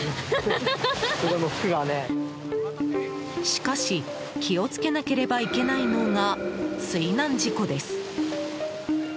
しかし、気をつけなければいけないのが水難事故です。